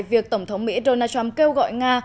việc tổng thống mỹ donald trump kêu gọi nga